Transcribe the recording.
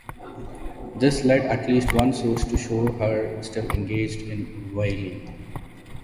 This led at least one source to show her still engaged in whaling.